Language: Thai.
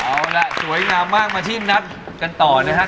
เอาล่ะสวยงามมากมาที่นัดกันต่อนะครับ